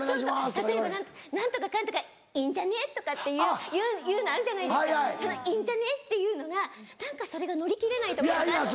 例えば「何とかかんとかいいんじゃね？」とかっていうのあるじゃないですかその「いいんじゃね？」っていうのが何かそれがノリきれないとかがあって。